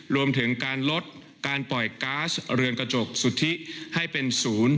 รวมถึงการลดการปล่อยก๊าซเรือนกระจกสุทธิให้เป็นศูนย์